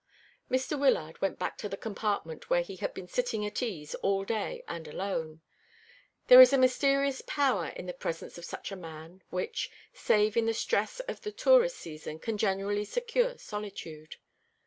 Mr. Wyllard went back to the compartment where he had been sitting at ease all day and alone. There is a mysterious power in the presence of such a man which, save in the stress of the tourist season, can generally secure solitude.